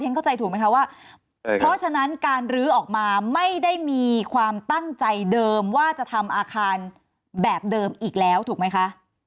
เข้าใจถูกไหมคะว่าเพราะฉะนั้นการลื้อออกมาไม่ได้มีความตั้งใจเดิมว่าจะทำอาคารแบบเดิมอีกแล้วถูกไหมคะ